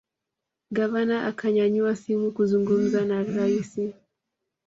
gavana akanyanyua simu kuzungumza na raisi